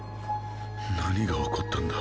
何が起こったんだ。